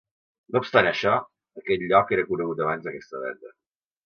No obstant això, aquest lloc era conegut abans d'aquesta data.